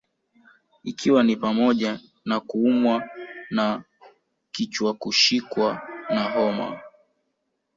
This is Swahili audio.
Ikiwa ni pamoja na kuumwa na kichwakushikwa na homa